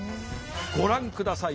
ご覧ください。